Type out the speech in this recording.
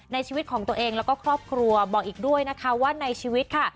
ในชีวิตของตัวเองแล้วก็ครอบครัวบอกอีกด้วยนะคะว่าในชีวิตค่ะ